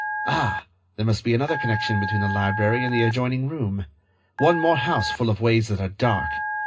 Ah! there must be another connection between the library and the adjoining room. One more house full of ways that are dark!